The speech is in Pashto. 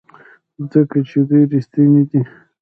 ځکه چې دوی ریښتیني دي.